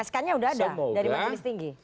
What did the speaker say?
sk nya udah ada dari masjid yang setinggi